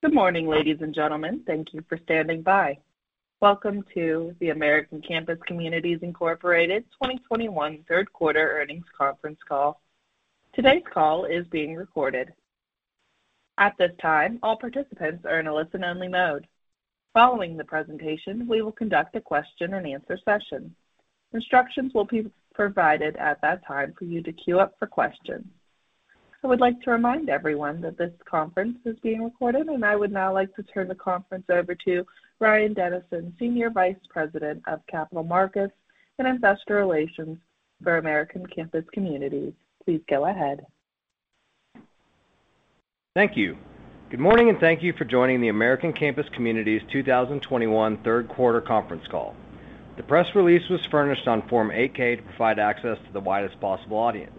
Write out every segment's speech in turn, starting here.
Good morning, ladies and gentlemen. Thank you for standing by. Welcome to the American Campus Communities, Inc. 2021 third quarter earnings conference call. Today's call is being recorded. At this time, all participants are in a listen-only mode. Following the presentation, we will conduct a question-and-answer session. Instructions will be provided at that time for you to queue up for questions. I would like to remind everyone that this conference is being recorded, and I would now like to turn the conference over to Ryan Dennison, Senior Vice President of Capital Markets and Investor Relations for American Campus Communities. Please go ahead. Thank you. Good morning, and thank you for joining the American Campus Communities 2021 third quarter conference call. The press release was furnished on Form 8-K to provide access to the widest possible audience.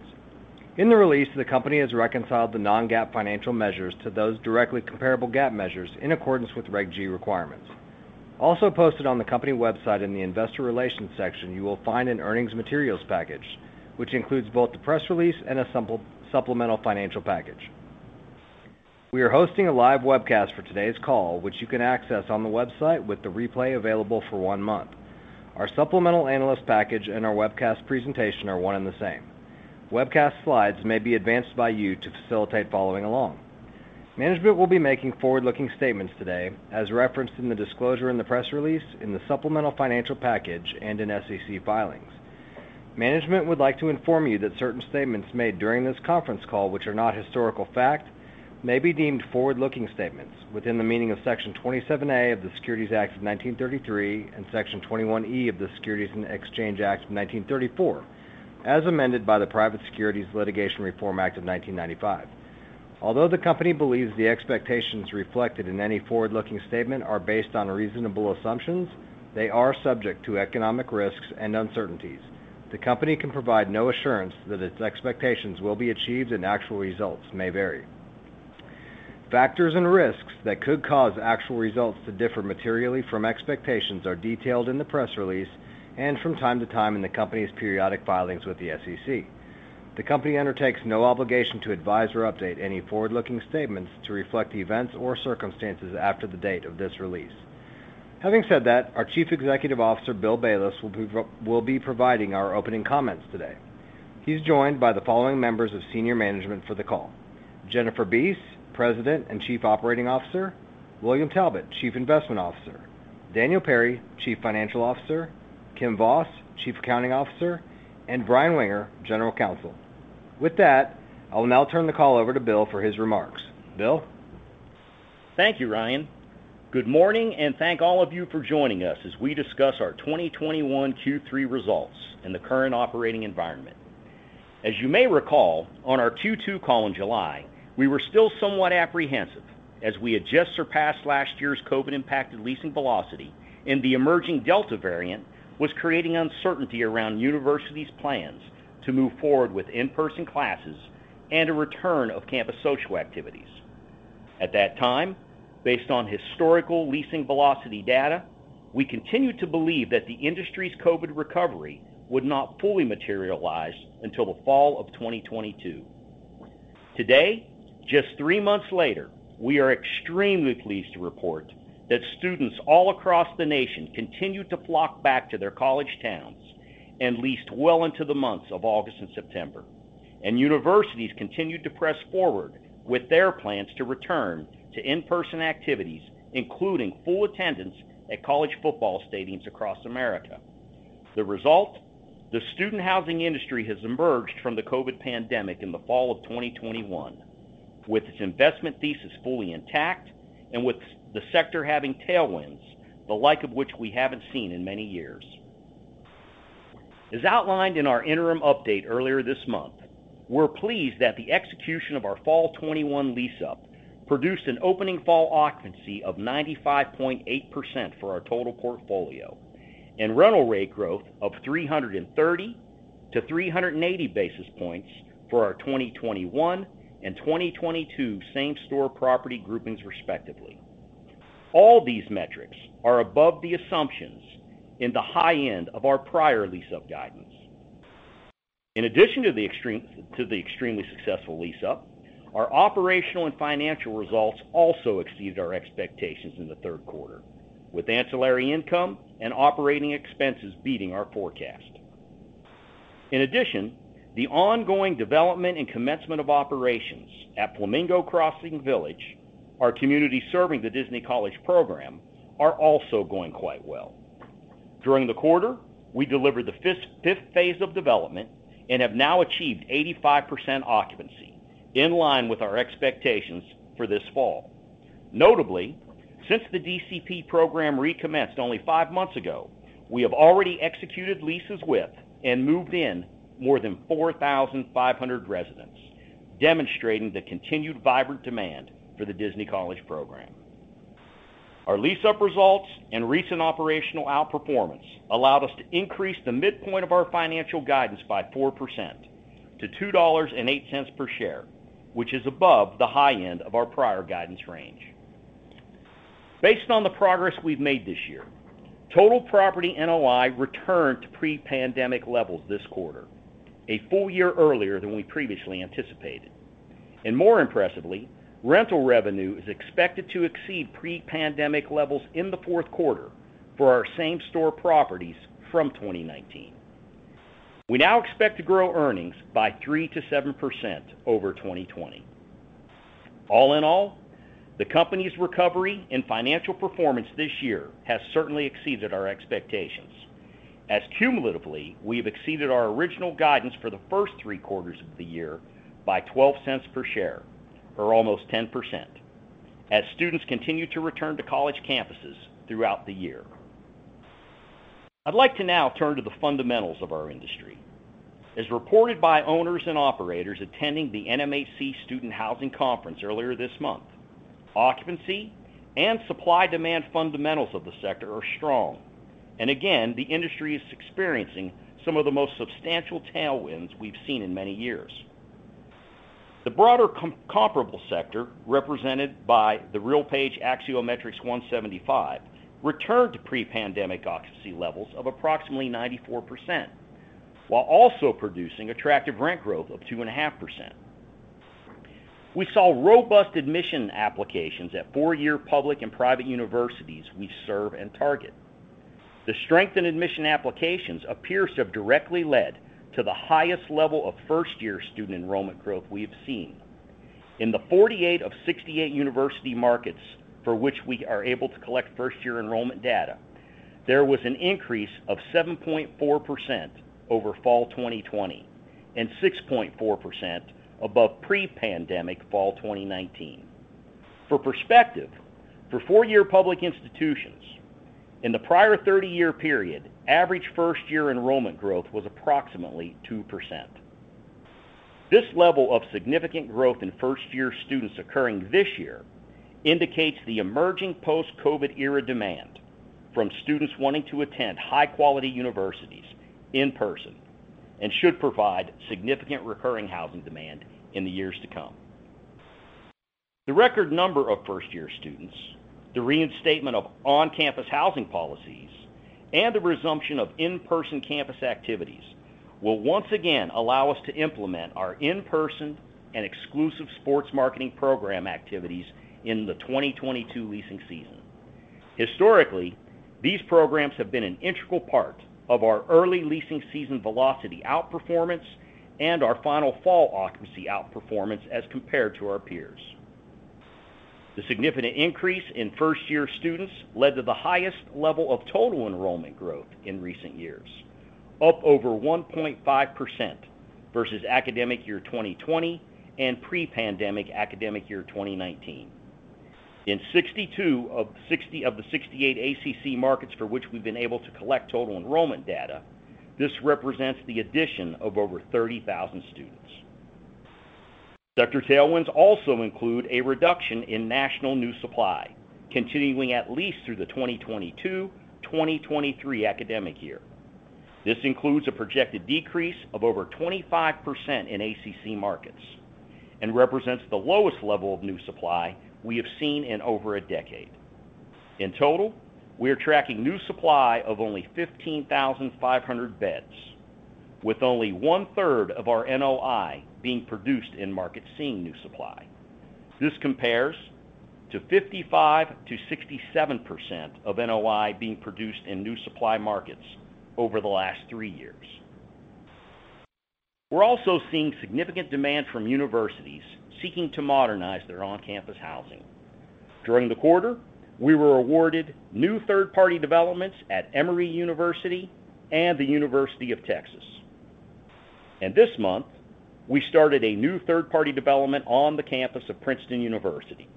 In the release, the company has reconciled the non-GAAP financial measures to those directly comparable GAAP measures in accordance with Reg G requirements. Also posted on the company website in the Investor Relations section, you will find an earnings materials package, which includes both the press release and a supplemental financial package. We are hosting a live webcast for today's call, which you can access on the website with the replay available for one month. Our supplemental analyst package and our webcast presentation are one and the same. Webcast slides may be advanced by you to facilitate following along. Management will be making forward-looking statements today as referenced in the disclosure in the press release, in the supplemental financial package, and in SEC filings. Management would like to inform you that certain statements made during this conference call which are not historical fact may be deemed forward-looking statements within the meaning of Section 27A of the Securities Act of 1933 and Section 21E of the Securities Exchange Act of 1934, as amended by the Private Securities Litigation Reform Act of 1995. Although the company believes the expectations reflected in any forward-looking statement are based on reasonable assumptions, they are subject to economic risks and uncertainties. The company can provide no assurance that its expectations will be achieved and actual results may vary. Factors and risks that could cause actual results to differ materially from expectations are detailed in the press release and from time to time in the company's periodic filings with the SEC. The company undertakes no obligation to advise or update any forward-looking statements to reflect events or circumstances after the date of this release. Having said that, our Chief Executive Officer, Bill Bayless, will be providing our opening comments today. He's joined by the following members of senior management for the call. Jennifer Beese, President and Chief Operating Officer. William Talbot, Chief Investment Officer. Daniel Perry, Chief Financial Officer. Kim Voss, Chief Accounting Officer, and Brian Wenger, General Counsel. With that, I will now turn the call over to Bill for his remarks. Bill? Thank you, Ryan. Good morning, and thank all of you for joining us as we discuss our 2021 Q3 results and the current operating environment. As you may recall, on our Q2 call in July, we were still somewhat apprehensive as we had just surpassed last year's COVID impacted leasing velocity, and the emerging Delta variant was creating uncertainty around universities' plans to move forward with in-person classes and a return of campus social activities. At that time, based on historical leasing velocity data, we continued to believe that the industry's COVID recovery would not fully materialize until the fall of 2022. Today, just three months later, we are extremely pleased to report that students all across the nation continued to flock back to their college towns and leased well into the months of August and September. Universities continued to press forward with their plans to return to in-person activities, including full attendance at college football stadiums across America. The result, the student housing industry has emerged from the COVID pandemic in the fall of 2021, with its investment thesis fully intact and with the sector having tailwinds, the like of which we haven't seen in many years. As outlined in our interim update earlier this month, we're pleased that the execution of our fall 2021 lease-up produced an opening fall occupancy of 95.8% for our total portfolio and rental rate growth of 330 basis points-380 basis points for our 2021 and 2022 same store property groupings respectively. All these metrics are above the assumptions in the high end of our prior lease-up guidance. In addition to the extreme, to the extremely successful lease-up, our operational and financial results also exceeded our expectations in the third quarter, with ancillary income and operating expenses beating our forecast. In addition, the ongoing development and commencement of operations at Flamingo Crossings Village, our community serving the Disney College Program, are also going quite well. During the quarter, we delivered the fifth phase of development and have now achieved 85% occupancy in line with our expectations for this fall. Notably, since the DCP program recommenced only five months ago, we have already executed leases with and moved in more than 4,500 residents, demonstrating the continued vibrant demand for the Disney College Program. Our lease-up results and recent operational outperformance allowed us to increase the midpoint of our financial guidance by 4% to $2.08 per share, which is above the high end of our prior guidance range. Based on the progress we've made this year, total property NOI returned to pre-pandemic levels this quarter, a full-year earlier than we previously anticipated. More impressively, rental revenue is expected to exceed pre-pandemic levels in the fourth quarter for our same-store properties from 2019. We now expect to grow earnings by 3%-7% over 2020. All in all, the company's recovery and financial performance this year has certainly exceeded our expectations, as cumulatively, we have exceeded our original guidance for the first three quarters of the year by $0.12 per share, or almost 10%, as students continue to return to college campuses throughout the year. I'd like to now turn to the fundamentals of our industry. As reported by owners and operators attending the NMHC Student Housing Conference earlier this month, occupancy and supply-demand fundamentals of the sector are strong. Again, the industry is experiencing some of the most substantial tailwinds we've seen in many years. The broader comparable sector, represented by the RealPage Axiometrics 175, returned to pre-pandemic occupancy levels of approximately 94%, while also producing attractive rent growth of 2.5%. We saw robust admission applications at four year public and private universities we serve and target. The strength in admission applications appears to have directly led to the highest level of first year student enrollment growth we have seen. In the 48 of 68 university markets for which we are able to collect first year enrollment data, there was an increase of 7.4% over fall 2020 and 6.4% above pre-pandemic fall 2019. For perspective, for four year public institutions, in the prior 30 year period, average first year enrollment growth was approximately 2%. This level of significant growth in first year students occurring this year indicates the emerging post-COVID era demand from students wanting to attend high-quality universities in person and should provide significant recurring housing demand in the years to come. The record number of first year students, the reinstatement of on-campus housing policies, and the resumption of in-person campus activities will once again allow us to implement our in-person and exclusive sports marketing program activities in the 2022 leasing season. Historically, these programs have been an integral part of our early leasing season velocity outperformance and our final fall occupancy outperformance as compared to our peers. The significant increase in first year students led to the highest level of total enrollment growth in recent years, up over 1.5% versus academic year 2020 and pre-pandemic academic year 2019. In 62 of the 68 ACC markets for which we've been able to collect total enrollment data, this represents the addition of over 30,000 students. Sector tailwinds also include a reduction in national new supply, continuing at least through the 2022/2023 academic year. This includes a projected decrease of over 25% in ACC markets and represents the lowest level of new supply we have seen in over a decade. In total, we are tracking new supply of only 15,500 beds, with only 1/3 of our NOI being produced in markets seeing new supply. This compares to 55%-67% of NOI being produced in new supply markets over the last three years. We're also seeing significant demand from universities seeking to modernize their on-campus housing. During the quarter, we were awarded new third-party developments at Emory University and the University of Texas. This month, we started a new third-party development on the campus of Princeton University.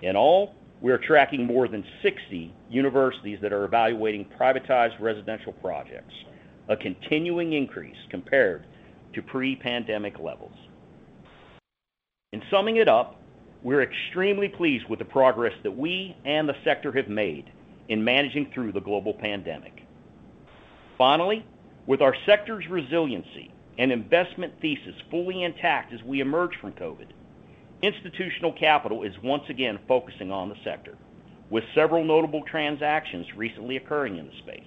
In all, we are tracking more than 60 universities that are evaluating privatized residential projects, a continuing increase compared to pre-pandemic levels. In summing it up, we're extremely pleased with the progress that we and the sector have made in managing through the global pandemic. Finally, with our sector's resiliency and investment thesis fully intact as we emerge from COVID, institutional capital is once again focusing on the sector, with several notable transactions recently occurring in the space.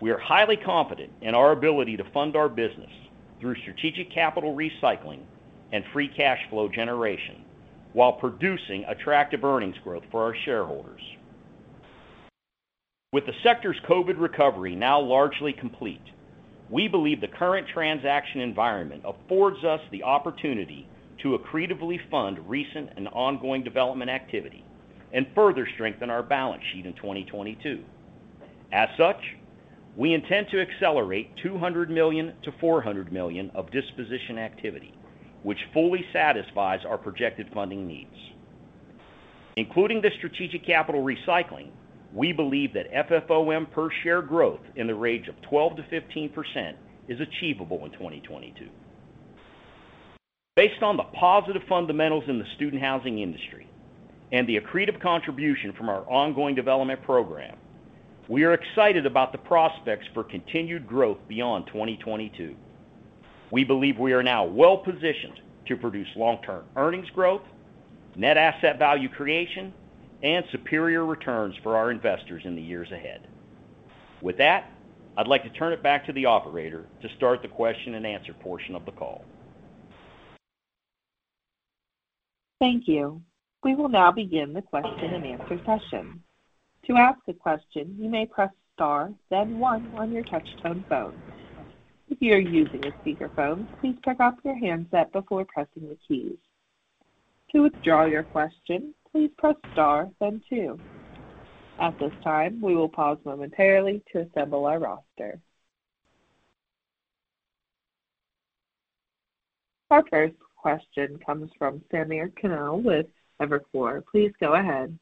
We are highly confident in our ability to fund our business through strategic capital recycling and free cash flow generation while producing attractive earnings growth for our shareholders. With the sector's COVID recovery now largely complete, we believe the current transaction environment affords us the opportunity to accretively fund recent and ongoing development activity and further strengthen our balance sheet in 2022. As such, we intend to accelerate $200 million-$400 million of disposition activity, which fully satisfies our projected funding needs. Including the strategic capital recycling, we believe that FFO per share growth in the range of 12%-15% is achievable in 2022. Based on the positive fundamentals in the student housing industry and the accretive contribution from our ongoing development program, we are excited about the prospects for continued growth beyond 2022. We believe we are now well-positioned to produce long-term earnings growth, net asset value creation, and superior returns for our investors in the years ahead. With that, I'd like to turn it back to the operator to start the question-and-answer portion of the call. Thank you. We will now begin the question-and-answer session. To ask a question, you may press star, then one on your touch-tone phone. If you are using a speakerphone, please pick up your handset before pressing the keys. To withdraw your question, please press star, then two. At this time, we will pause momentarily to assemble our roster. Our first question comes from Samir Khanal with Evercore. Please go ahead.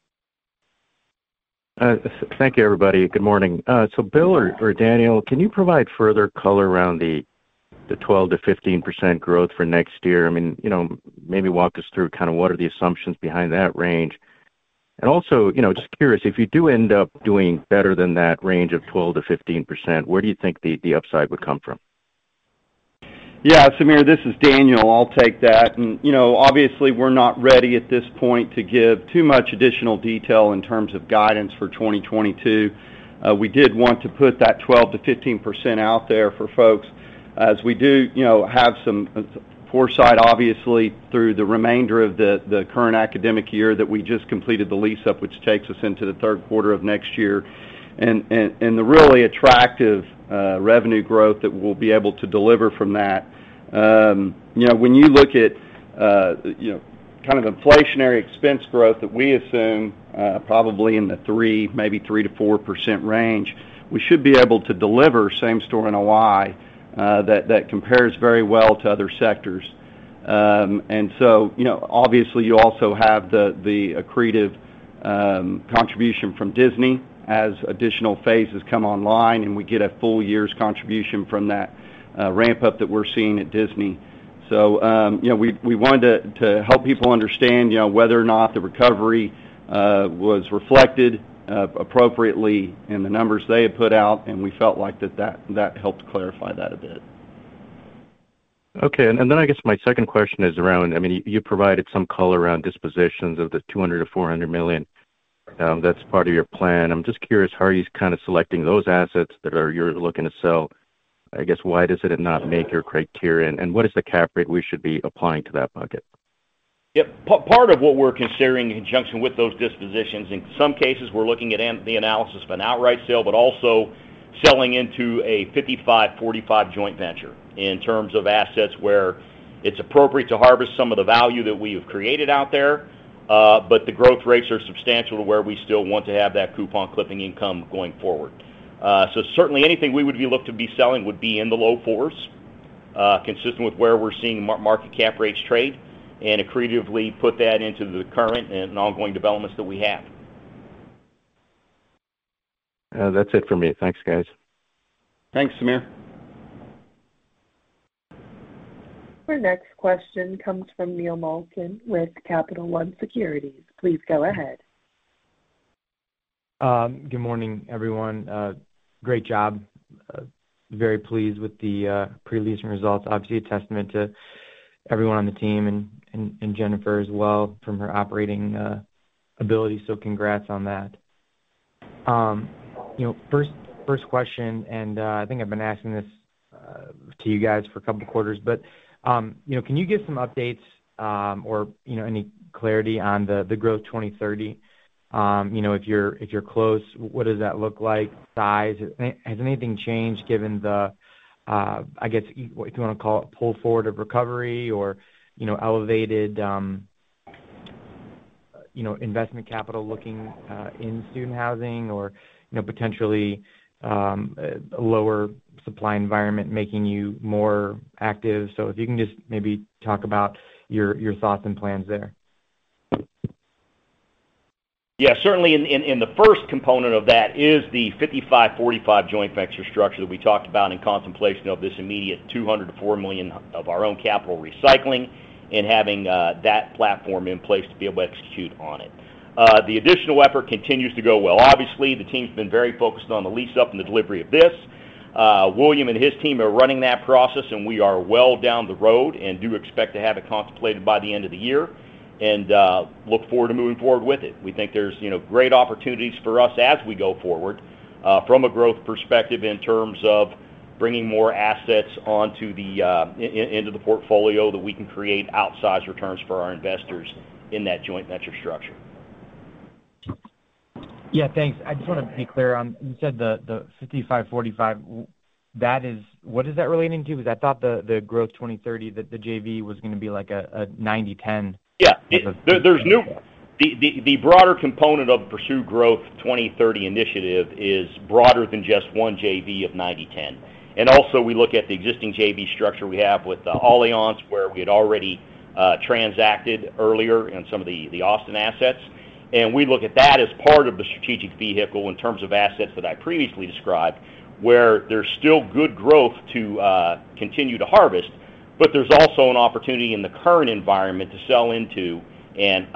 Thank you, everybody. Good morning. Bill or Daniel, can you provide further color around the 12%-15% growth for next year? I mean, you know, maybe walk us through kind of what are the assumptions behind that range. Also, you know, just curious, if you do end up doing better than that range of 12%-15%, where do you think the upside would come from? Yeah, Samir, this is Daniel. I'll take that. You know, obviously, we're not ready at this point to give too much additional detail in terms of guidance for 2022. We did want to put that 12%-15% out there for folks as we do, you know, have some foresight, obviously, through the remainder of the current academic year that we just completed the lease-up, which takes us into the third quarter of next year, and the really attractive revenue growth that we'll be able to deliver from that. When you look at, kind of inflationary expense growth that we assume, probably in the 3%, maybe 3%-4% range, we should be able to deliver same store NOI that compares very well to other sectors. Obviously you also have the accretive contribution from Disney as additional phases come online, and we get a full-year's contribution from that ramp-up that we're seeing at Disney. You know, we wanted to help people understand whether or not the recovery was reflected appropriately in the numbers they had put out, and we felt like that helped clarify that a bit. Okay. I guess my second question is around. I mean, you provided some color around dispositions of the $200 million-$400 million, that's part of your plan. I'm just curious, how are you kind of selecting those assets you're looking to sell? I guess, why does it not make your criterion? And what is the cap rate we should be applying to that bucket? Yep. Part of what we're considering in conjunction with those dispositions, in some cases, we're looking at the analysis of an outright sale, but also selling into a 55-45 joint venture in terms of assets where it's appropriate to harvest some of the value that we have created out there, but the growth rates are substantial to where we still want to have that coupon clipping income going forward. Certainly anything we would be likely to be selling would be in the low 4s, consistent with where we're seeing market cap rates trade and accretively put that into the current and ongoing developments that we have. That's it for me. Thanks, guys. Thanks, Samir. Our next question comes from Neil Malkin with Capital One Securities. Please go ahead. Good morning, everyone. Great job. Very pleased with the preleasing results. Obviously, a testament to everyone on the team and Jennifer as well from her operating ability. So congrats on that. First question, and I think I've been asking this to you guys for a couple of quarters, but, can you give some updates or any clarity on the Growth 2030? if you're close, what does that look like, size? And has anything changed given the, I guess, what if you wanna call it pull forward of recovery or elevated investment capital looking in student housing or potentially, a lower supply environment making you more active? If you can just maybe talk about your thoughts and plans there. Yeah, certainly in the first component of that is the 55-45 joint venture structure that we talked about in contemplation of this immediate $200 million-$400 million of our own capital recycling and having that platform in place to be able to execute on it. The additional effort continues to go well. Obviously, the team's been very focused on the lease-up and the delivery of this. William and his team are running that process, and we are well down the road and do expect to have it contemplated by the end of the year and look forward to moving forward with it. We think there's great opportunities for us as we go forward from a growth perspective in terms of bringing more assets onto the into the portfolio that we can create outsized returns for our investors in that joint venture structure. Yeah. Thanks. I just wanna be clear on you said the 55-45. What is that relating to? Because I thought the Growth 2030, that the JV was gonna be like a 90-10. The broader component of the Pursue Growth 2030 initiative is broader than just one JV of 90-10. Also, we look at the existing JV structure we have with Allianz, where we had already transacted earlier in some of the Austin assets. We look at that as part of the strategic vehicle in terms of assets that I previously described, where there's still good growth to continue to harvest, but there's also an opportunity in the current environment to sell into and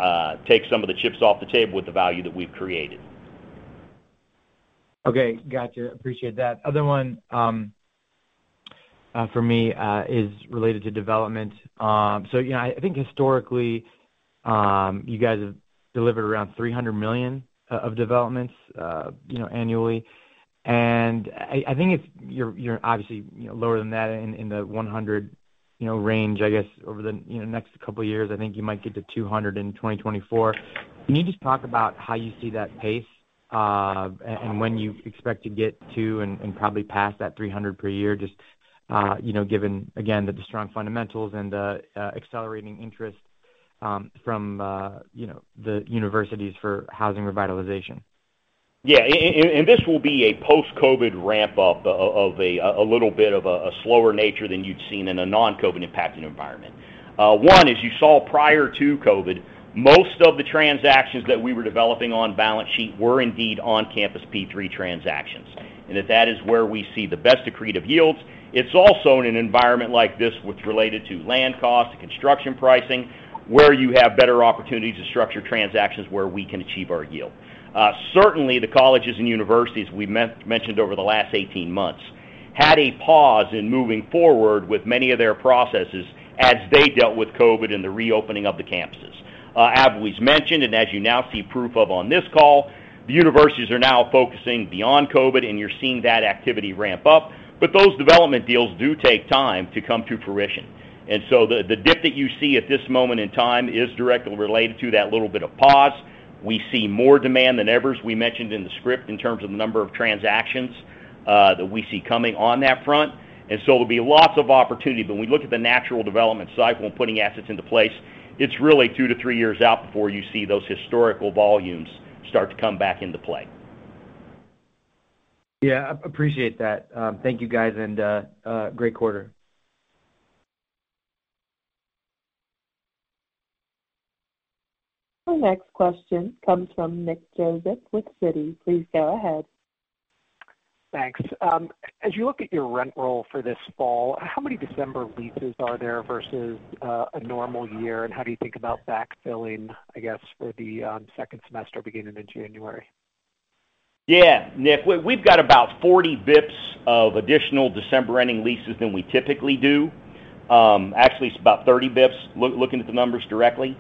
take some of the chips off the table with the value that we've created. Okay. Gotcha. Appreciate that. Other one for me is related to development. So, I think historically, you guys have delivered around $300 million of developments, you know, annually. I think it's. You're obviously lower than that in the $100 range. I guess over the next couple of years, I think you might get to $200 in 2024. Can you just talk about how you see that pace and when you expect to get to and probably past that $300 per year just given again, the strong fundamentals and the accelerating interest from the universities for housing revitalization? This will be a post-COVID ramp up of a little bit of a slower nature than you'd seen in a non-COVID impacting environment. As you saw prior to COVID, most of the transactions that we were developing on balance sheet were indeed on-campus P3 transactions. That is where we see the best accretive yields. It's also in an environment like this, which related to land costs, construction pricing, where you have better opportunities to structure transactions where we can achieve our yield. Certainly, the colleges and universities we mentioned over the last 18 months had a pause in moving forward with many of their processes as they dealt with COVID and the reopening of the campuses. As we've mentioned, and as you now see proof of on this call, the universities are now focusing beyond COVID, and you're seeing that activity ramp up. Those development deals do take time to come to fruition. The dip that you see at this moment in time is directly related to that little bit of pause. We see more demand than ever, as we mentioned in the script, in terms of the number of transactions that we see coming on that front. It'll be lots of opportunity. When we look at the natural development cycle and putting assets into place, it's really two to three years out before you see those historical volumes start to come back into play. Yeah. Appreciate that. Thank you, guys, and a great quarter. The next question comes from Nick Joseph with Citi. Please go ahead. Thanks. As you look at your rent roll for this fall, how many December leases are there versus a normal year? How do you think about backfilling, I guess, for the second semester beginning in January? Yeah. Nick, we've got about 40 BPS of additional December-ending leases than we typically do. Actually, it's about 30 BPS looking at the numbers directly.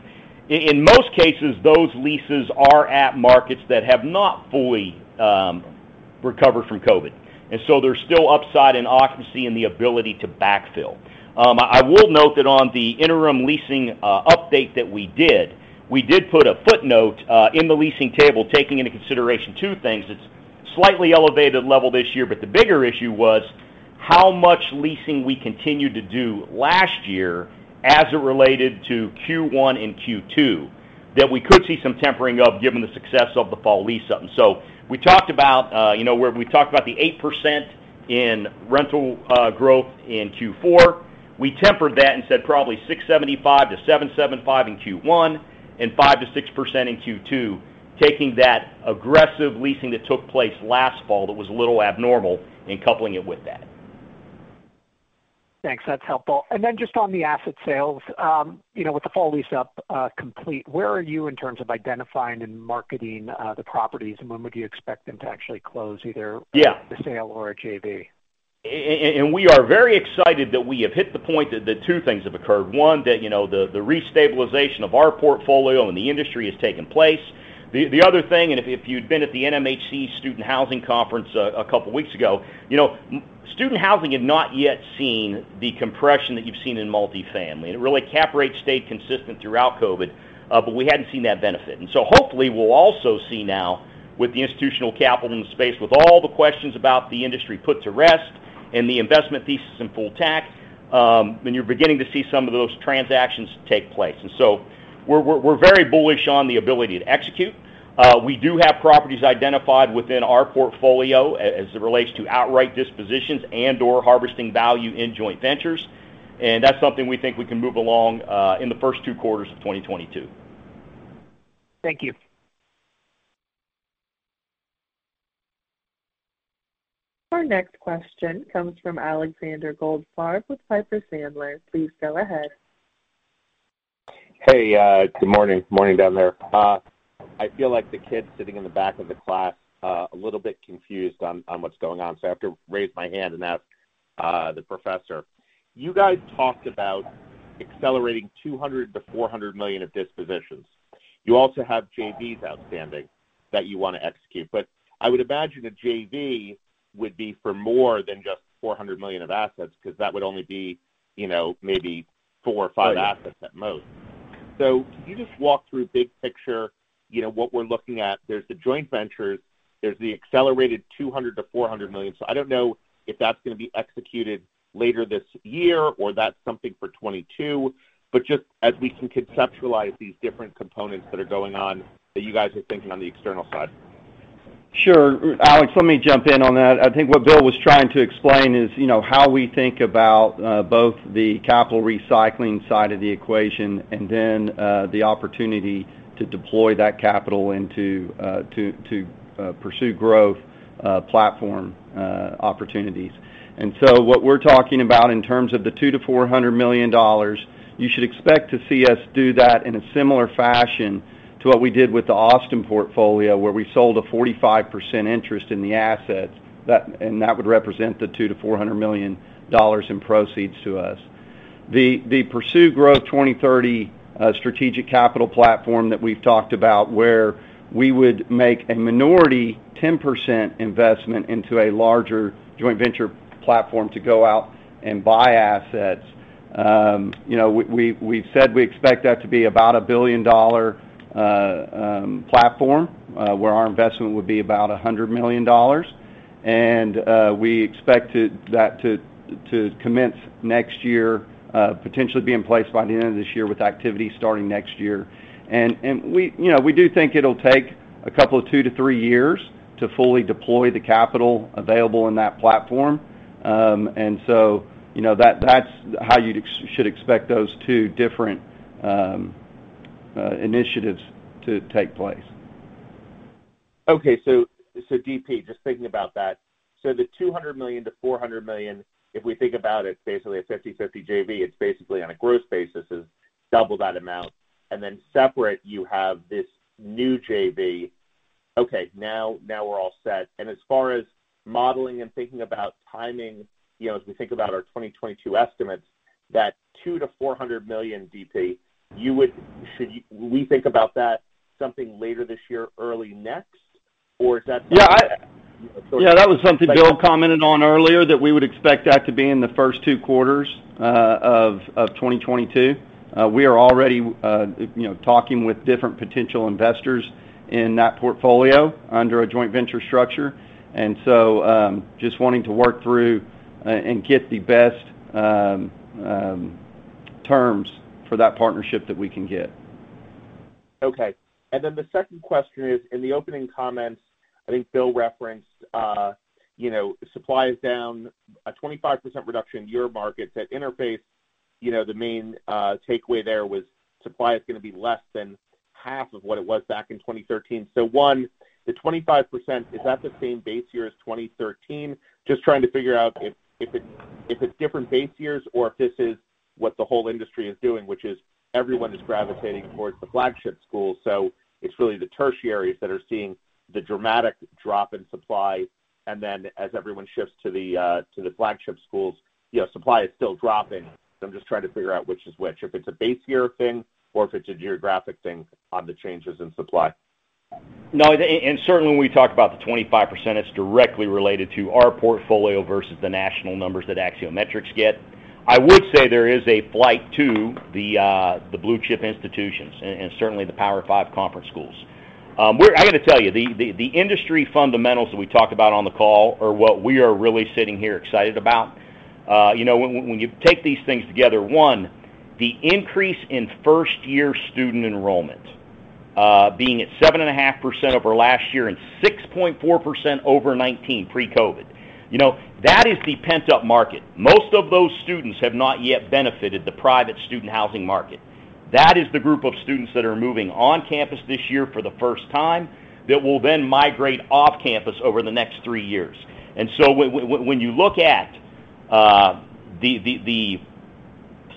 In most cases, those leases are at markets that have not fully recovered from COVID. There's still upside in occupancy and the ability to backfill. I will note that on the interim leasing update that we did, we did put a footnote in the leasing table, taking into consideration two things. It's slightly elevated level this year, but the bigger issue was how much leasing we continued to do last year as it related to Q1 and Q2, that we could see some tempering of given the success of the fall lease up. We talked about, you know, where we talked about the 8% in rental growth in Q4. We tempered that and said probably 6.75%-7.75% in Q1 and 5%-6% in Q2, taking that aggressive leasing that took place last fall that was a little abnormal and coupling it with that. Thanks. That's helpful. Just on the asset sales, you know, with the fall lease-up complete, where are you in terms of identifying and marketing the properties? When would you expect them to actually close either Yeah the sale or a JV? We are very excited that we have hit the point that two things have occurred. One, the restabilization of our portfolio and the industry has taken place. The other thing, if you'd been at the NMHC Student Housing Conference a couple of weeks ago student housing had not yet seen the compression that you've seen in multifamily. Really, cap rates stayed consistent throughout COVID, but we hadn't seen that benefit. Hopefully, we'll also see now with the institutional capital in the space, with all the questions about the industry put to rest and the investment thesis intact, and you're beginning to see some of those transactions take place. We're very bullish on the ability to execute. We do have properties identified within our portfolio as it relates to outright dispositions and/or harvesting value in joint ventures. That's something we think we can move along in the first two quarters of 2022. Thank you. Our next question comes from Alexander Goldfarb with Piper Sandler. Please go ahead. Hey. Good morning. Morning down there. I feel like the kid sitting in the back of the class, a little bit confused on what's going on, so I have to raise my hand and ask the professor. You guys talked about accelerating $200 million-$400 million of dispositions. You also have JVs outstanding that you wanna execute. I would imagine a JV would be for more than just $400 million of assets, 'cause that would only be, maybe four or five assets at most. Can you just walk through big picture, what we're looking at? There's the joint ventures, there's the accelerated $200 million-$400 million. I don't know if that's gonna be executed later this year or that's something for 2022. Just as we can conceptualize these different components that are going on, that you guys are thinking on the external side. Sure. Alex, let me jump in on that. I think what Bill was trying to explain is, you know, how we think about both the capital recycling side of the equation and then the opportunity to deploy that capital into to pursue growth platform opportunities. What we're talking about in terms of the $200 million-$400 million, you should expect to see us do that in a similar fashion to what we did with the Austin portfolio, where we sold a 45% interest in the assets. That would represent the $200 million-$400 million in proceeds to us. The Pursue Growth 2030 strategic capital platform that we've talked about, where we would make a minority 10% investment into a larger joint venture platform to go out and buy assets, you know, we've said we expect that to be about a $1 billion platform, where our investment would be about $100 million. We expect that to commence next year, potentially be in place by the end of this year, with activity starting next year. You know, we do think it'll take a couple of two to three years to fully deploy the capital available in that platform. You know, that's how you'd expect those two different initiatives to take place. Okay. DP, just thinking about that. The $200 million-$400 million, if we think about it, basically a 50-50 JV, it's basically on a gross basis is double that amount. Separate, you have this new JV. Okay, now we're all set. As far as modeling and thinking about timing, you know, as we think about our 2022 estimates, that $200 million-$400 million, DP, will we think about that something later this year, early next? Or is that something that Yeah, that was something Bill commented on earlier, that we would expect that to be in the first two quarters of 2022. We are already, you know, talking with different potential investors in that portfolio under a joint venture structure. Just wanting to work through and get the best terms for that partnership that we can get. Okay. The second question is, in the opening comments, I think Bill referenced, you know, supply is down a 25% reduction in your markets. At InterFace, the main takeaway there was supply is gonna be less than half of what it was back in 2013. One, the 25%, is that the same base year as 2013? Just trying to figure out if it's different base years or if this is what the whole industry is doing, which is everyone is gravitating towards the flagship schools, it's really the tertiaries that are seeing the dramatic drop in supply. As everyone shifts to the flagship schools, you know, supply is still dropping. I'm just trying to figure out which is which, if it's a base year thing or if it's a geographic thing on the changes in supply. No, and certainly when we talk about the 25%, it's directly related to our portfolio versus the national numbers that Axiometrics get. I would say there is a flight to the blue chip institutions and certainly the Power Five conference schools. I gotta tell you, the industry fundamentals that we talk about on the call are what we are really sitting here excited about. You know, when you take these things together, one, the increase in first year student enrollment being at 7.5% over last year and 6.4% over 2019 pre-COVID. You know, that is the pent-up market. Most of those students have not yet benefited from the private student housing market. That is the group of students that are moving on campus this year for the first time that will then migrate off campus over the next three years. When you look at the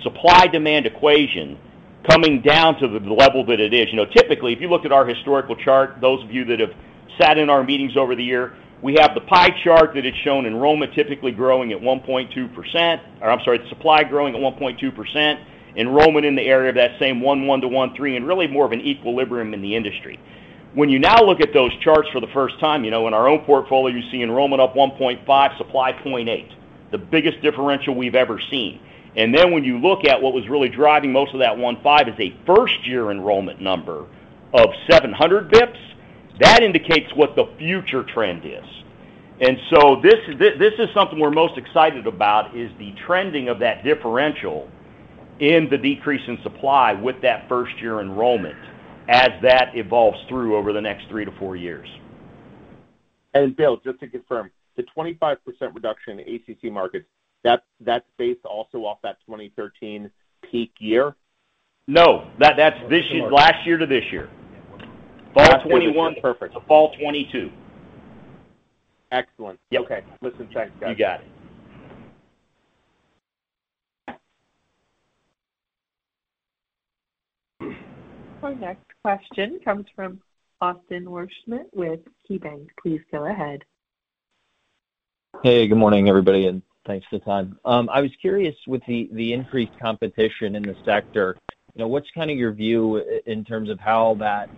supply-demand equation coming down to the level that it is. You know, typically, if you looked at our historical chart, those of you that have sat in our meetings over the year, we have the pie chart that has shown enrollment typically growing at 1.2%. Or I'm sorry, supply growing at 1.2%, enrollment in the area of that same 1.1%-1.3%, and really more of an equilibrium in the industry. When you now look at those charts for the first time, you know, in our own portfolio, you see enrollment up 1.5%, supply 0.8%, the biggest differential we've ever seen. When you look at what was really driving most of that 15 is a first year enrollment number of 700 basis points, that indicates what the future trend is. This is something we're most excited about is the trending of that differential in the decrease in supply with that first year enrollment as that evolves through over the next three to four years. Bill, just to confirm, the 25% reduction in ACC markets, that's based also off that 2013 peak year? No, that's this year. Last year to this year. Last year to this year. Fall 2021 to Fall 2022. Excellent. Yep. Okay. Listen, thanks, guys. You got it. Our next question comes from Austin Wurschmidt with KeyBanc. Please go ahead. Hey, good morning, everybody, and thanks for the time. I was curious with the increased competition in the sector, you know, what's kind of your view in terms of how that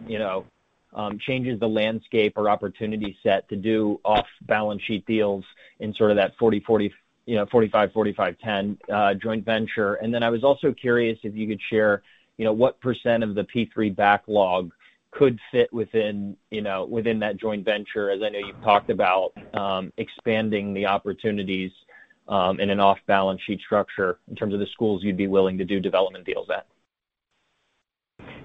changes the landscape or opportunity set to do off-balance sheet deals in sort of that 40/40, 45/45/10 joint venture? And then I was also curious if you could share what percent of the P3 backlog could fit within that joint venture, as I know you've talked about expanding the opportunities in an off-balance sheet structure in terms of the schools you'd be willing to do development deals at.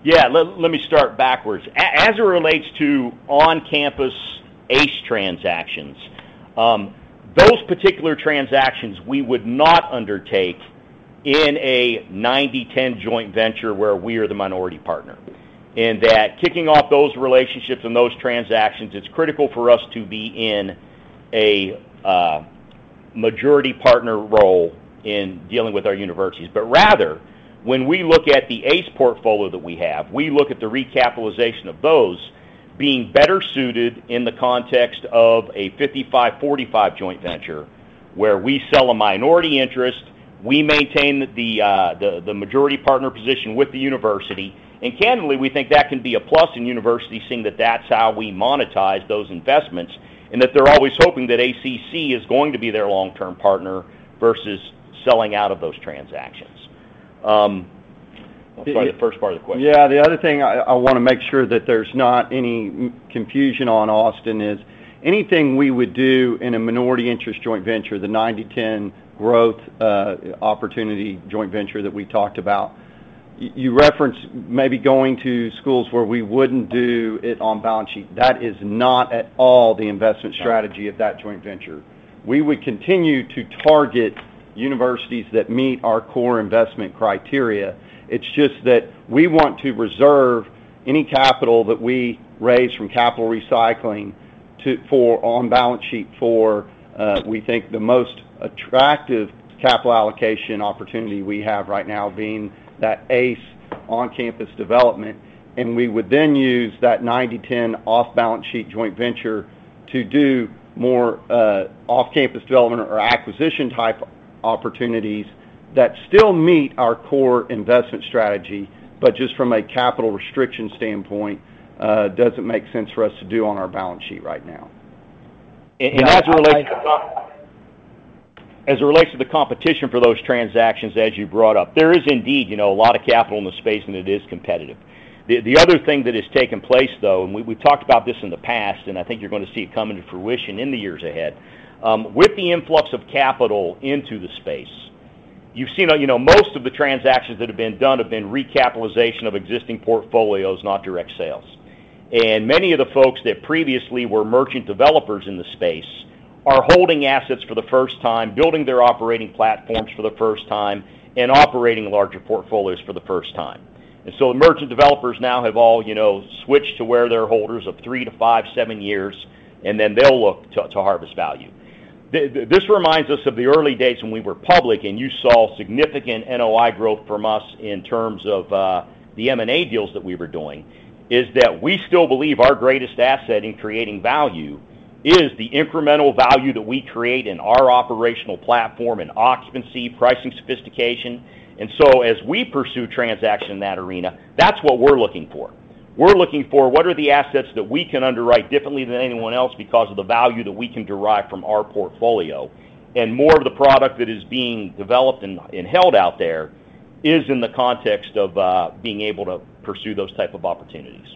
Yeah. Let me start backwards. As it relates to on-campus ACE transactions, those particular transactions we would not undertake in a 90/10 joint venture where we are the minority partner. In that, kicking off those relationships and those transactions, it's critical for us to be in a majority partner role in dealing with our universities. Rather, when we look at the ACE portfolio that we have, we look at the recapitalization of those being better suited in the context of a 55/45 joint venture, where we sell a minority interest, we maintain the majority partner position with the university. Candidly, we think that can be a plus in university, seeing that that's how we monetize those investments, and that they're always hoping that ACC is going to be their long-term partner versus selling out of those transactions. The first part of the question. Yeah. The other thing I wanna make sure that there's not any confusion on, Austin, is anything we would do in a minority interest joint venture, the 90-10 growth opportunity joint venture that we talked about, you referenced maybe going to schools where we wouldn't do it on balance sheet. That is not at all the investment strategy of that joint venture. We would continue to target universities that meet our core investment criteria. It's just that we want to reserve any capital that we raise from capital recycling to for on-balance sheet, we think the most attractive capital allocation opportunity we have right now being that ACE on-campus development, and we would then use that 90-10 off-balance sheet joint venture to do more, off-campus development or acquisition type opportunities that still meet our core investment strategy, but just from a capital restriction standpoint, doesn't make sense for us to do on our balance sheet right now. As it relates to the competition for those transactions, as you brought up, there is indeed, you know, a lot of capital in the space, and it is competitive. The other thing that has taken place, though, and we've talked about this in the past, and I think you're gonna see it come into fruition in the years ahead, with the influx of capital into the space, you've seen, you know, most of the transactions that have been done have been recapitalization of existing portfolios, not direct sales. Many of the folks that previously were merchant developers in the space are holding assets for the first time, building their operating platforms for the first time, and operating larger portfolios for the first time. The merchant developers now have all, you know, switched to where they're holders of three to five, seven years, and then they'll look to harvest value. This reminds us of the early days when we were public, and you saw significant NOI growth from us in terms of the M&A deals that we were doing, is that we still believe our greatest asset in creating value is the incremental value that we can create in our operational platform in occupancy, pricing sophistication. As we pursue transaction in that arena, that's what we're looking for. We're looking for what are the assets that we can underwrite differently than anyone else because of the value that we can derive from our portfolio. More of the product that is being developed and held out there is in the context of being able to pursue those type of opportunities.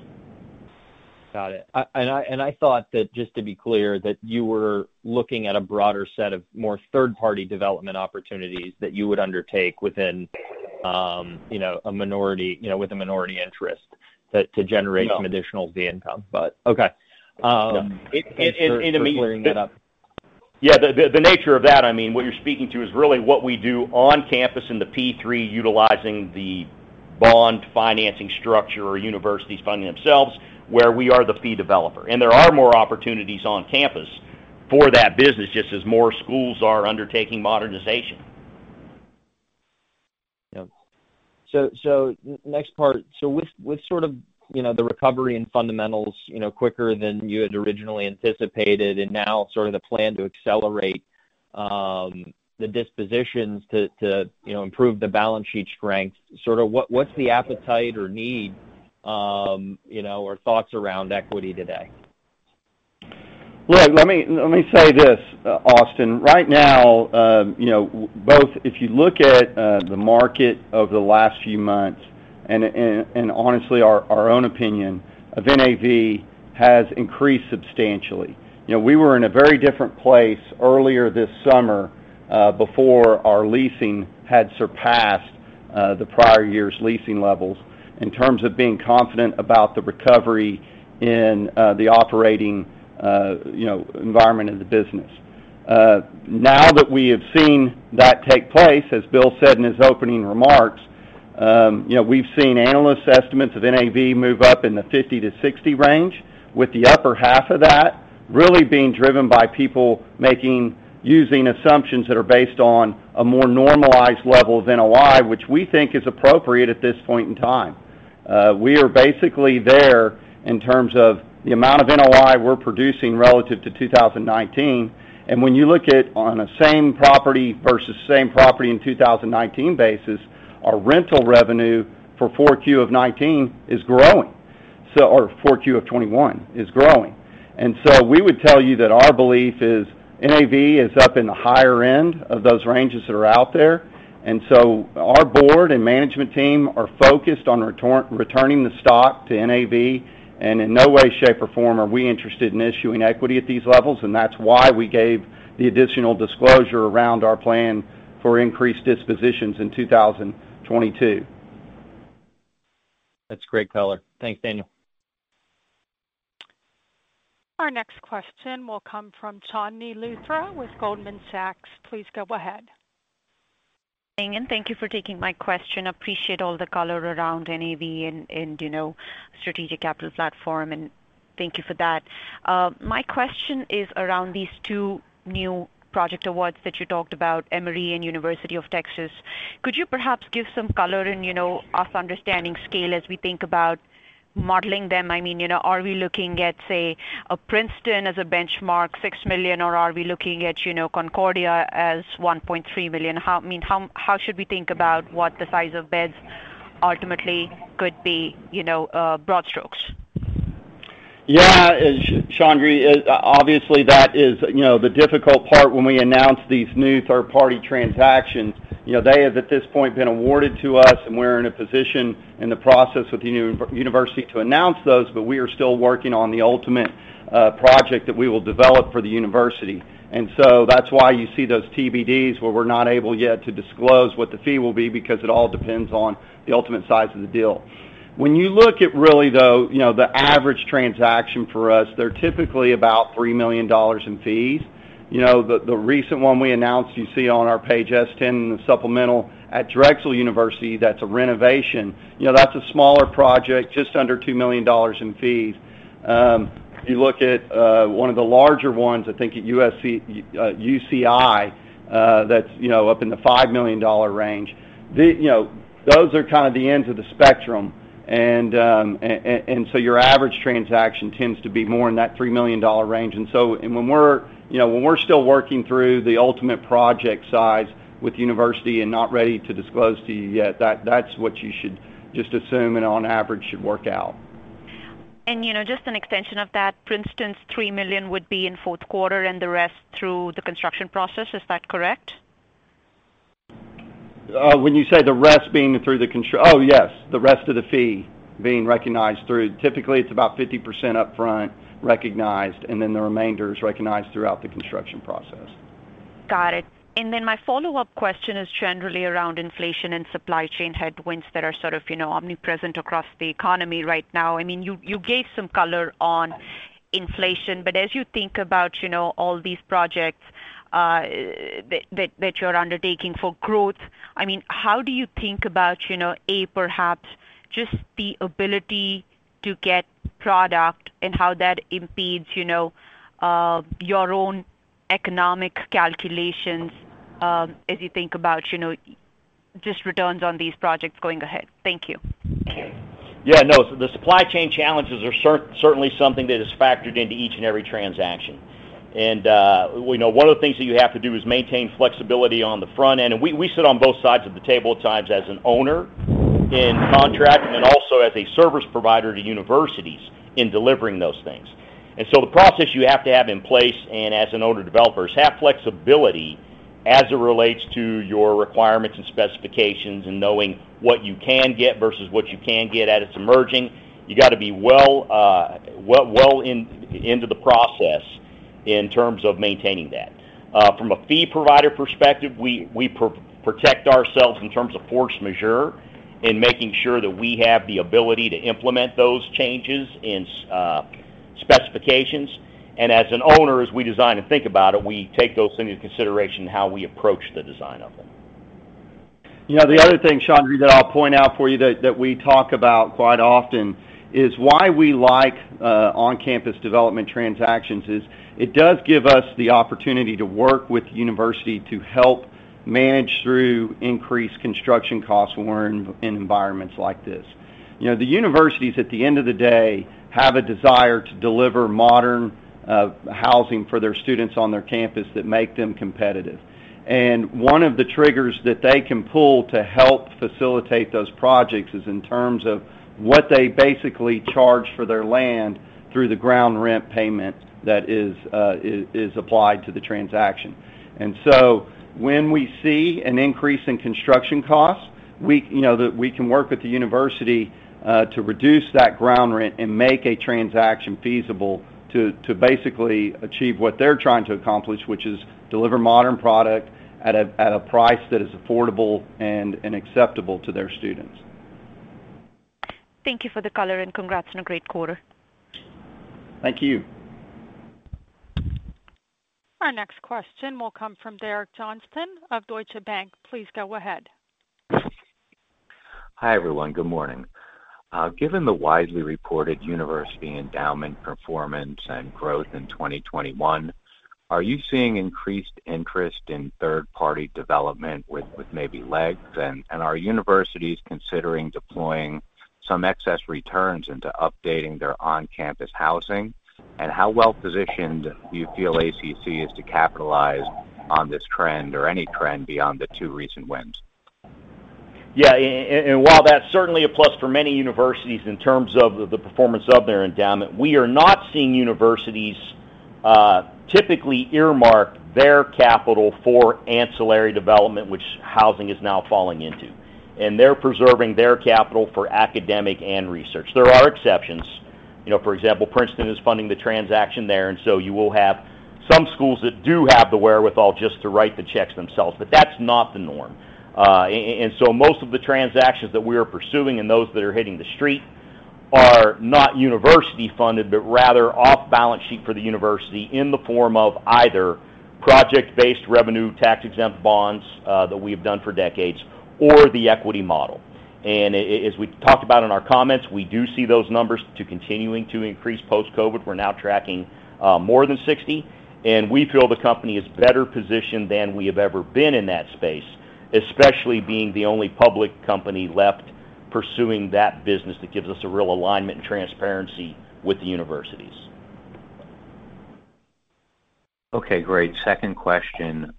Got it. I thought that, just to be clear, that you were looking at a broader set of more third-party development opportunities that you would undertake within a minority, you know, with a minority interest to generate No. some additional income. Okay. No. Thanks for clearing that up. Yeah. The nature of that, I mean, what you're speaking to is really what we do on campus in the P3, utilizing the bond financing structure or universities funding themselves, where we are the fee developer. There are more opportunities on campus for that business, just as more schools are undertaking modernization. Next part. With sort of the recovery and fundamentals quicker than you had originally anticipated, and now sort of the plan to accelerate the dispositions to improve the balance sheet strength, sort of what's the appetite or need or thoughts around equity today? Look, let me say this, Austin. Right now, both if you look at the market over the last few months and honestly our own opinion of NAV has increased substantially. You know, we were in a very different place earlier this summer before our leasing had surpassed the prior year's leasing levels in terms of being confident about the recovery in the operating environment of the business. Now that we have seen that take place, as Bill said in his opening remarks, you know, we've seen analyst estimates of NAV move up in the 50-60 range, with the upper half of that really being driven by people using assumptions that are based on a more normalized level of NOI, which we think is appropriate at this point in time. We are basically there in terms of the amount of NOI we're producing relative to 2019. When you look at on a same property versus same property in 2019 basis, our rental revenue for 4Q of 2019 is growing. Or 4Q of 2021 is growing. We would tell you that our belief is NAV is up in the higher end of those ranges that are out there. Our board and management team are focused on returning the stock to NAV, and in no way, shape, or form are we interested in issuing equity at these levels, and that's why we gave the additional disclosure around our plan for increased dispositions in 2022. That's great color. Thanks, Daniel. Our next question will come from Chandni Luthra with Goldman Sachs. Please go ahead. Thank you for taking my question. Appreciate all the color around NAV and strategic capital platform, and thank you for that. My question is around these two new project awards that you talked about, Emory University and University of Texas. Could you perhaps give some color and, you know, an understanding of scale as we think about modeling them? I mean, you know, are we looking at, say, a Princeton University as a benchmark, $6 million, or are we looking at, you know, Concordia as $1.3 million? I mean, how should we think about what the size of beds ultimately could be, you know, broad strokes? Yeah. Chandni, obviously, that is, you know, the difficult part when we announce these new third-party transactions. You know, they have, at this point, been awarded to us, and we're in a position in the process with the university to announce those, but we are still working on the ultimate, project that we will develop for the university. That's why you see those TBDs where we're not able yet to disclose what the fee will be because it all depends on the ultimate size of the deal. When you look at really, though, you know, the average transaction for us, they're typically about $3 million in fees. You know, the recent one we announced, you see on our page S-10 in the supplemental at Drexel University, that's a renovation. You know, that's a smaller project, just under $2 million in fees. If you look at one of the larger ones, I think at UCI, that's, you know, up in the $5 million range. The, you know, those are kind of the ends of the spectrum. So your average transaction tends to be more in that $3 million range. When we're, you know, still working through the ultimate project size with the university and not ready to disclose to you yet, that's what you should just assume and on average should work out. You know, just an extension of that, Princeton's $3 million would be in fourth quarter and the rest through the construction process. Is that correct? Oh, yes, the rest of the fee being recognized through. Typically, it's about 50% upfront recognized, and then the remainder is recognized throughout the construction process. Got it. My follow-up question is generally around inflation and supply chain headwinds that are sort of, you know, omnipresent across the economy right now. I mean, you gave some color on inflation. As you think about, you know, all these projects that you're undertaking for growth, I mean, how do you think about, you know, A, perhaps just the ability to get product and how that impedes, you know, your own economic calculations, as you think about, you know, just returns on these projects going ahead? Thank you. Yeah, no. The supply chain challenges are certainly something that is factored into each and every transaction. We know one of the things that you have to do is maintain flexibility on the front end. We sit on both sides of the table at times as an owner in contract and then also as a service provider to universities in delivering those things. The process you have to have in place and as an owner developer is have flexibility as it relates to your requirements and specifications and knowing what you can get versus what you can get as it's emerging. You gotta be well into the process in terms of maintaining that. From a fee provider perspective, we protect ourselves in terms of force majeure in making sure that we have the ability to implement those changes in specifications. As an owner, as we design and think about it, we take those into consideration in how we approach the design of them. You know, the other thing, Chandni, that I'll point out for you that we talk about quite often is why we like on-campus development transactions is it does give us the opportunity to work with the university to help manage through increased construction costs when we're in environments like this. You know, the universities, at the end of the day, have a desire to deliver modern housing for their students on their campus that make them competitive. One of the triggers that they can pull to help facilitate those projects is in terms of what they basically charge for their land through the ground rent payment that is applied to the transaction. When we see an increase in construction costs, we can work with the university to reduce that ground rent and make a transaction feasible to basically achieve what they're trying to accomplish, which is deliver modern product at a price that is affordable and acceptable to their students. Thank you for the color, and congrats on a great quarter. Thank you. Our next question will come from Derek Johnston of Deutsche Bank. Please go ahead. Hi, everyone. Good morning. Given the widely reported university endowment performance and growth in 2021, are you seeing increased interest in third-party development with maybe legs? Are universities considering deploying some excess returns into updating their on-campus housing? How well-positioned do you feel ACC is to capitalize on this trend or any trend beyond the two recent wins? Yeah. While that's certainly a plus for many universities in terms of the performance of their endowment, we are not seeing universities typically earmark their capital for ancillary development, which housing is now falling into. They're preserving their capital for academic and research. There are exceptions. For example, Princeton is funding the transaction there, and so you will have some schools that do have the wherewithal just to write the checks themselves, but that's not the norm. Most of the transactions that we are pursuing and those that are hitting the street Our not university funded, but rather off balance sheet for the university in the form of either project-based revenue tax-exempt bonds that we have done for decades, or the equity model. As we talked about in our comments, we do see those numbers too continuing to increase post-COVID. We're now tracking more than 60, and we feel the company is better positioned than we have ever been in that space, especially being the only public company left pursuing that business that gives us a real alignment and transparency with the universities. Okay, great. Second question.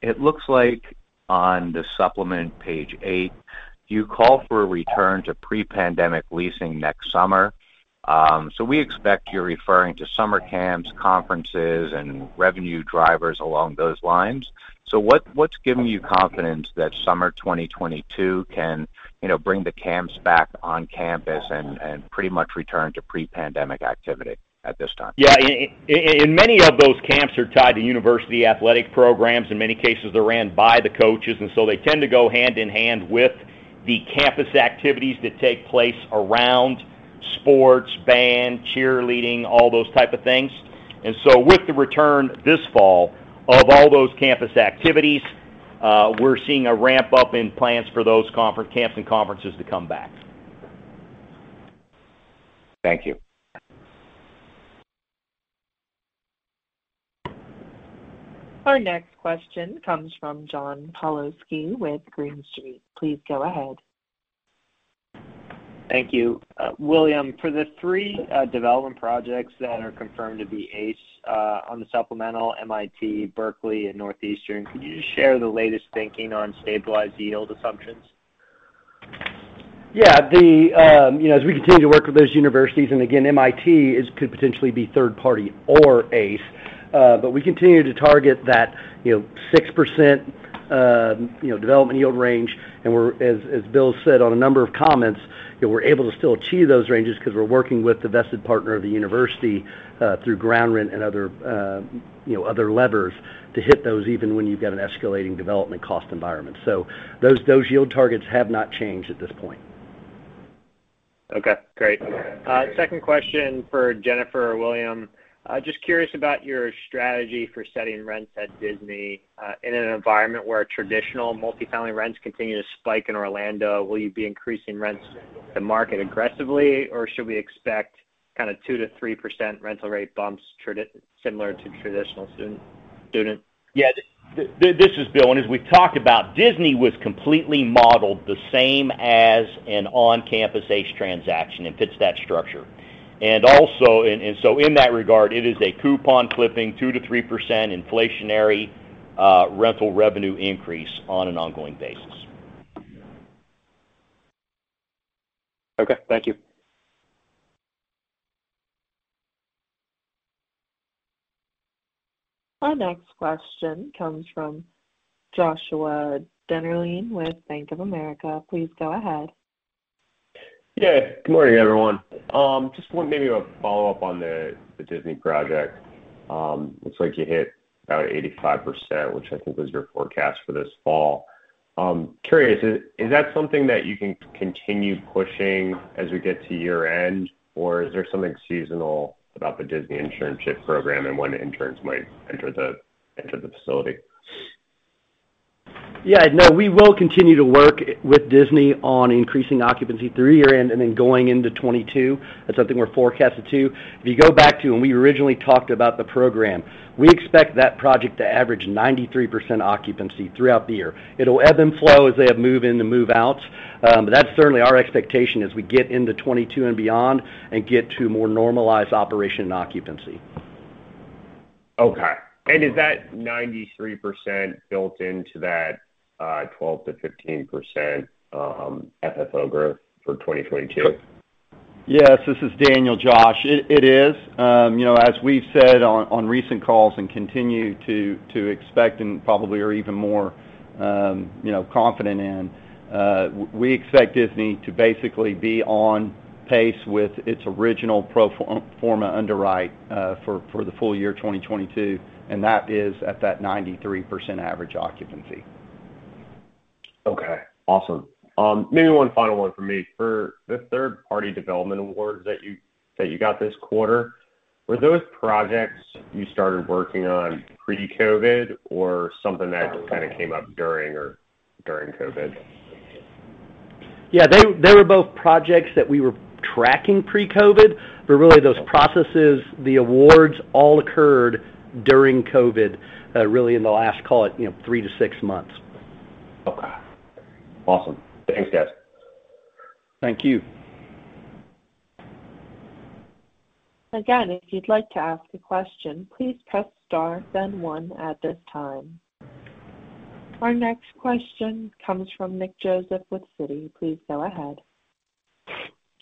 It looks like on the supplement page eight, you call for a return to pre-pandemic leasing next summer. We expect you're referring to summer camps, conferences, and revenue drivers along those lines. What's giving you confidence that summer 2022 can, you know, bring the camps back on campus and pretty much return to pre-pandemic activity at this time? Yeah. Many of those camps are tied to university athletic programs. In many cases, they're ran by the coaches, and so they tend to go hand in hand with the campus activities that take place around sports, band, cheerleading, all those type of things. With the return this fall of all those campus activities, we're seeing a ramp up in plans for those camps and conferences to come back. Thank you. Our next question comes from John Pawlowski with Green Street. Please go ahead. Thank you. William, for the three development projects that are confirmed to be ACE on the supplemental, MIT, Berkeley, and Northeastern, could you just share the latest thinking on stabilized yield assumptions? Yeah. You know, as we continue to work with those universities, and again, MIT could potentially be third party or ACE. But we continue to target that, you know, 6% development yield range. As Bill said on a number of comments, you know, we're able to still achieve those ranges because we're working with the vested partner of the university through ground rent and other levers to hit those even when you've got an escalating development cost environment. Those yield targets have not changed at this point. Okay, great. Second question for Jennifer or William. Just curious about your strategy for setting rents at Disney. In an environment where traditional multifamily rents continue to spike in Orlando, will you be increasing rents to market aggressively, or should we expect kind of 2%-3% rental rate bumps similar to traditional student? Yeah. This is Bill, as we've talked about, Disney was completely modeled the same as an on-campus ACE transaction. It fits that structure. In that regard, it is a coupon clipping 2%-3% inflationary rental revenue increase on an ongoing basis. Okay, thank you. Our next question comes from Joshua Dennerlein with Bank of America. Please go ahead. Yeah. Good morning, everyone. Just want maybe a follow-up on the Disney project. Looks like you hit about 85%, which I think was your forecast for this fall. Curious, is that something that you can continue pushing as we get to year-end, or is there something seasonal about the Disney internship program and when interns might enter the facility? Yeah. No, we will continue to work with Disney on increasing occupancy through year-end, and then going into 2022. That's something we're forecasted to. If you go back to when we originally talked about the program, we expect that project to average 93% occupancy throughout the year. It'll ebb and flow as they have move in to move outs. But that's certainly our expectation as we get into 2022 and beyond and get to more normalized operation and occupancy. Is that 93% built into that 12%-15% FFO growth for 2022? Yes. This is Daniel, Josh. It is. You know, as we've said on recent calls and continue to expect and probably are even more, you know, confident in, we expect Disney to basically be on pace with its original pro forma underwrite, for the full-year 2022, and that is at that 93% average occupancy. Okay. Awesome. Maybe one final one from me. For the third-party development awards that you got this quarter, were those projects you started working on pre-COVID or something that kind of came up during or during COVID? They were both projects that we were tracking pre-COVID, but really those processes, the awards all occurred during COVID, really in the last, call it, you know, three to six months. Okay. Awesome. Thanks, guys. Thank you. Again, if you'd like to ask a question, please press star then one at this time. Our next question comes from Nick Joseph with Citi. Please go ahead.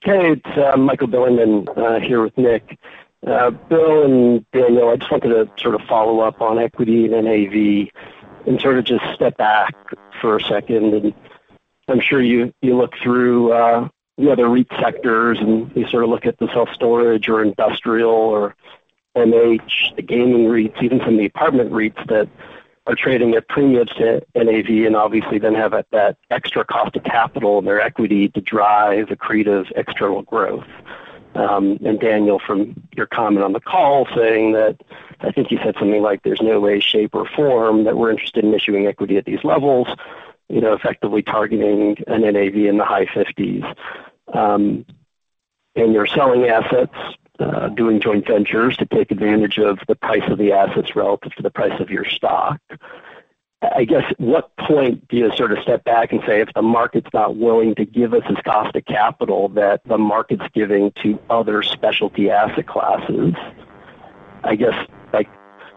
Hey, it's Michael Bilerman here with Nick. Bill and Daniel, I'd just like to sort of follow up on equity and NAV and sort of just step back for a second. I'm sure you look through the other REIT sectors, and you sort of look at the self-storage or industrial or net lease, the gaming REITs, even some of the apartment REITs that are trading at premiums to NAV and obviously then have at that extra cost of capital in their equity to drive accretive external growth. Daniel, from your comment on the call saying that, I think you said something like, "There's no way, shape, or form that we're interested in issuing equity at these levels," you know, effectively targeting an NAV in the high 50s. You're selling assets, doing joint ventures to take advantage of the price of the assets relative to the price of your stock. I guess, at what point do you sort of step back and say, "If the market's not willing to give us this cost of capital that the market's giving to other specialty asset classes." I guess, like,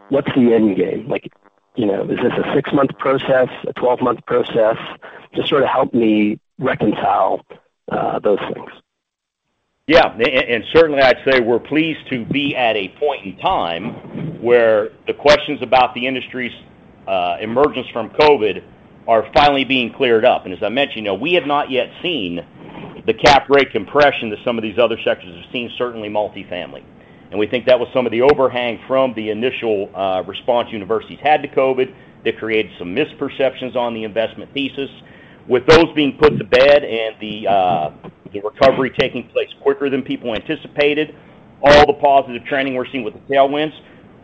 what's the end game? Like, you know, is this a six month process, a 12 month process? Just sort of help me reconcile those things. Yeah. Certainly I'd say we're pleased to be at a point in time where the questions about the industry's emergence from COVID are finally being cleared up. As I mentioned, you know, we have not yet seen the cap rate compression that some of these other sectors have seen, certainly multifamily. We think that was some of the overhang from the initial response universities had to COVID that created some misperceptions on the investment thesis. With those being put to bed and the recovery taking place quicker than people anticipated, all the positive trending we're seeing with the tailwinds,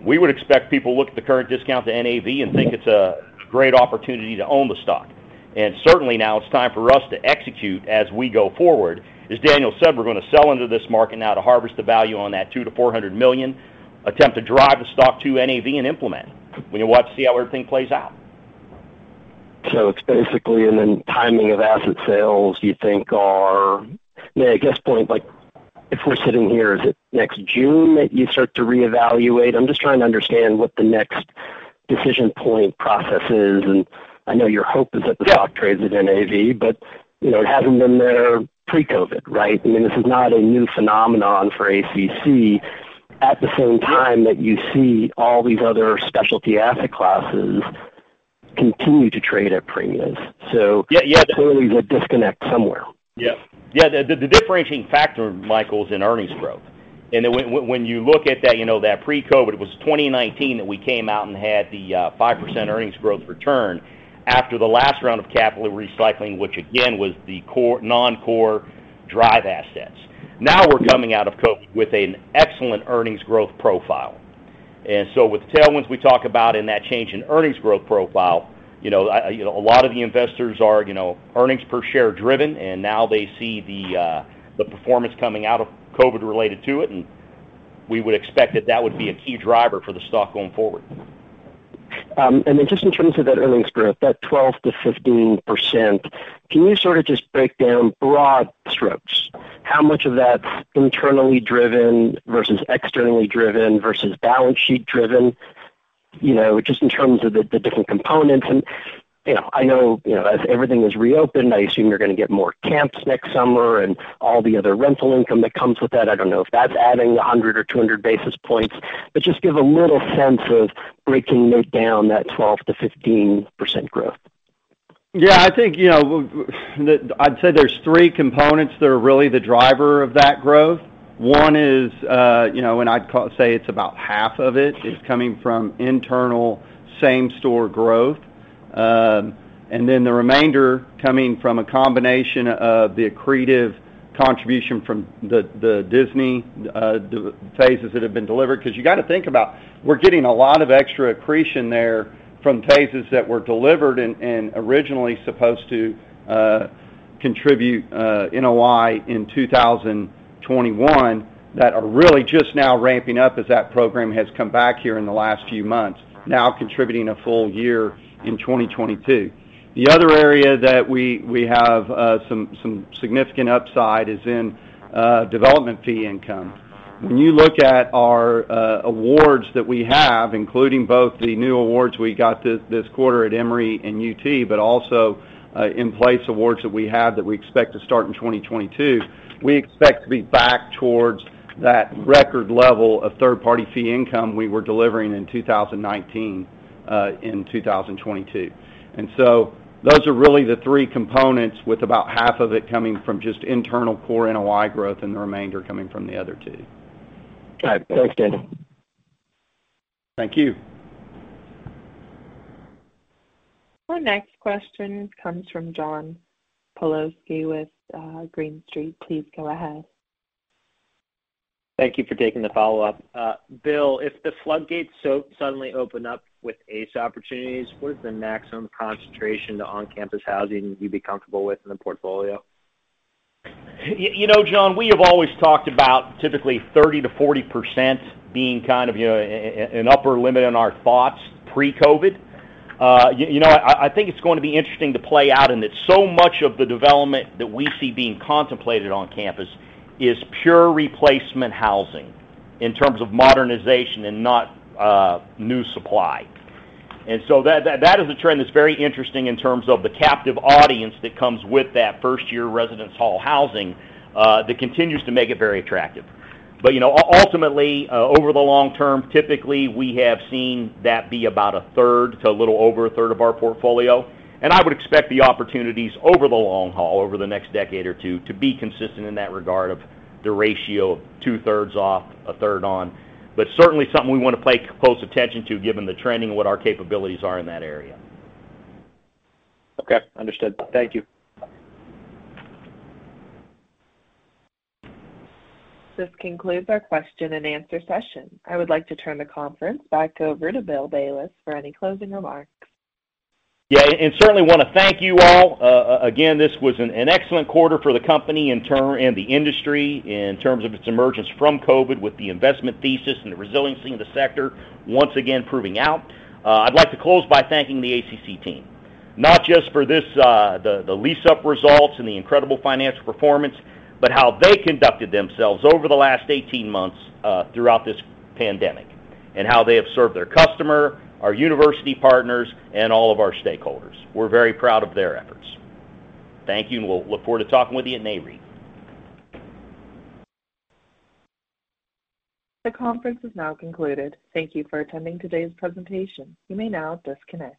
we would expect people to look at the current discount to NAV and think it's a great opportunity to own the stock. Certainly now it's time for us to execute as we go forward. As Daniel said, we're gonna sell into this market now to harvest the value on that $200 million-$400 million, attempt to drive the stock to NAV, and implement. We're gonna watch to see how everything plays out. Yeah, I guess the point, like if we're sitting here, is it next June that you start to reevaluate? I'm just trying to understand what the next decision point process is. I know your hope is that Yeah the stock trades at NAV, but you know, it hasn't been there pre-COVID, right? I mean, this is not a new phenomenon for ACC. At the same time that you see all these other specialty asset classes continue to trade at premiums. Yeah, yeah Clearly there's a disconnect somewhere. Yeah, the differentiating factor, Michael, is in earnings growth. When you look at that pre-COVID, it was 2019 that we came out and had the 5% earnings growth return after the last round of capital recycling, which again, was the core non-core drive assets. Now we're coming out of COVID with an excellent earnings growth profile. With the tailwinds we talk about and that change in earnings growth profile, a lot of the investors are, you know, earnings per share driven, and now they see the performance coming out of COVID related to it, and we would expect that that would be a key driver for the stock going forward. Just in terms of that earnings growth, that 12%-15%, can you sort of just break down broad strokes how much of that's internally driven versus externally driven versus balance sheet driven? You know, just in terms of the different components. You know, I know, you know, as everything has reopened, I assume you're gonna get more camps next summer and all the other rental income that comes with that. I don't know if that's adding 100 or 200 basis points. Just give a little sense of breaking down that 12%-15% growth. Yeah. I think, you know, I'd say there's three components that are really the driver of that growth. One is, say it's about half of it, is coming from internal same-store growth. Then the remainder coming from a combination of the accretive contribution from the Disney phases that have been delivered. 'Cause you gotta think about, we're getting a lot of extra accretion there from phases that were delivered and originally supposed to contribute NOI in 2021 that are really just now ramping up as that program has come back here in the last few months, now contributing a full-year in 2022. The other area that we have some significant upside is in development fee income. When you look at our awards that we have, including both the new awards we got this quarter at Emory and UT, but also in-place awards that we have that we expect to start in 2022, we expect to be back towards that record level of third-party fee income we were delivering in 2019 in 2022. Those are really the three components with about half of it coming from just internal core NOI growth and the remainder coming from the other two. Got it. Thanks, Daniel. Thank you. Our next question comes from John Pawlowski with Green Street. Please go ahead. Thank you for taking the follow-up. Bill, if the floodgates so suddenly open up with ACE opportunities, what is the maximum concentration to on-campus housing you'd be comfortable with in the portfolio? You know, John, we have always talked about typically 30%-40% being kind of an upper limit in our thoughts pre-COVID. I think it's going to be interesting to play out in that so much of the development that we see being contemplated on campus is pure replacement housing in terms of modernization and not new supply. That is a trend that's very interesting in terms of the captive audience that comes with that first year residence hall housing that continues to make it very attractive. You know, ultimately, over the long term, typically, we have seen that be about a third to a little over a third of our portfolio. I would expect the opportunities over the long haul, over the next decade or two, to be consistent in that regard of the ratio of 2/3 off, a third on. Certainly something we wanna pay close attention to given the trending and what our capabilities are in that area. Okay. Understood. Thank you. This concludes our question and answer session. I would like to turn the conference back over to Bill Bayless for any closing remarks. Yeah, certainly wanna thank you all. Again, this was an excellent quarter for the company and the industry in terms of its emergence from COVID with the investment thesis and the resiliency of the sector once again proving out. I'd like to close by thanking the ACC team, not just for this, the lease-up results and the incredible financial performance, but how they conducted themselves over the last 18 months, throughout this pandemic, and how they have served their customer, our university partners, and all of our stakeholders. We're very proud of their efforts. Thank you, and we'll look forward to talking with you at NAREIT. The conference is now concluded. Thank you for attending today's presentation. You may now disconnect.